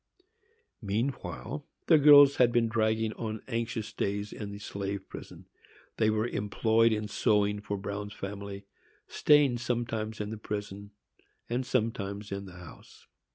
Meanwhile the girls had been dragging on anxious days in the slave prison. They were employed in sewing for Bruin's family, staying sometimes in the prison and sometimes in the house.